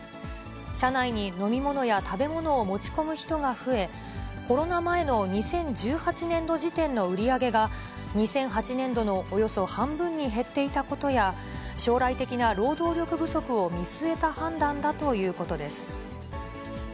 車内に飲み物や食べ物を持ち込む人が増え、コロナ前の２０１８年度時点の売り上げが、２００８年度のおよそ半分に減っていたことや、将来的な労働力不足を見据えた判断だということです。